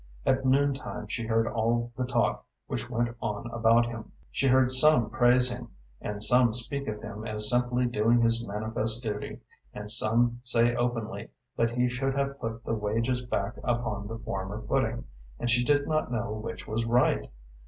At noontime she heard all the talk which went on about him. She heard some praise him, and some speak of him as simply doing his manifest duty, and some say openly that he should have put the wages back upon the former footing, and she did not know which was right.